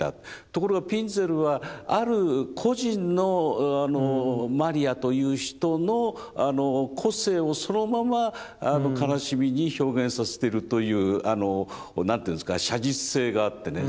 ところがピンゼルはある個人のマリアという人の個性をそのまま悲しみに表現させてるという何ていうんですか写実性があってね